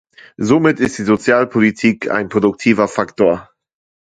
Somit ist die Sozialpolitik ein produktiver Faktor.